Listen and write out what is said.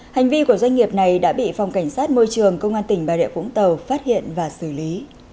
hành vi của doanh nghiệp này đã bị phòng cảnh sát môi trường công an tỉnh bà rịa vũng tàu phát hiện và xử lý